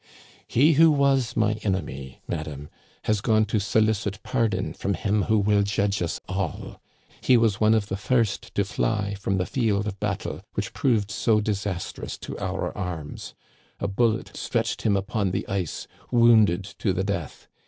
" He who was my enemy, madam, has gone to solicit 14 Digitized by VjOOQIC 2IO '^HE CANADIANS OF OLD, pardon from him who will judge us alL He was one of the first to fly from the field of battle which proved so disastrous to our arms. A bullet stretched him upon the ice, wounded to the death.